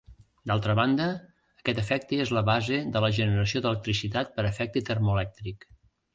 D'altra banda, aquest efecte és a la base de la generació d'electricitat per efecte termoelèctric.